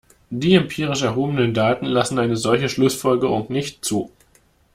Die empirisch erhobenen Daten lassen eine solche Schlussfolgerung nicht zu.